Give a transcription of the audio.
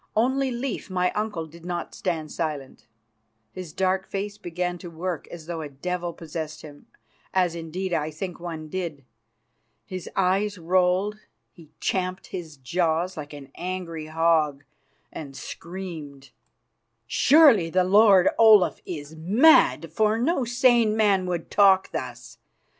Only Leif, my uncle, did not stand silent. His dark face began to work as though a devil possessed him, as, indeed, I think one did. His eyes rolled; he champed his jaws like an angry hog, and screamed: "Surely the lord Olaf is mad, for no sane man would talk thus.